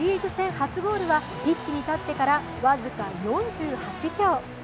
初ゴールはピッチに立ってから僅か４８秒。